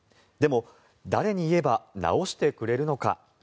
でも、誰に言えば直してくれるのか。